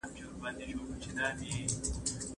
د قرعه کشي شرط پدې ښه دی، چي ټولي به راضي وي.